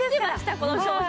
この商品！